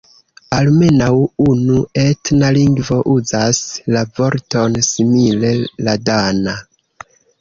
Almenaŭ unu etna lingvo uzas la vorton simile: la dana.